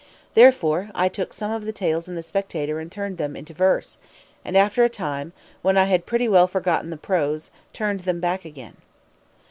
"Therefore, I took some of the tales in the Spectator and turned them into verse; and, after a time, when I had pretty well forgotten the prose, turned them back again."